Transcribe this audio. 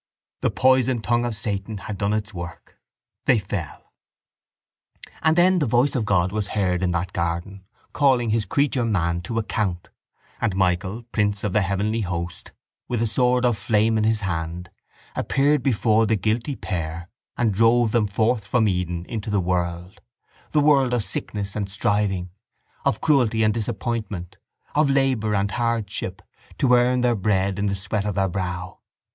The poison tongue of Satan had done its work. They fell. —And then the voice of God was heard in that garden, calling His creature man to account: and Michael, prince of the heavenly host, with a sword of flame in his hand, appeared before the guilty pair and drove them forth from Eden into the world, the world of sickness and striving, of cruelty and disappointment, of labour and hardship, to earn their bread in the sweat of their brow.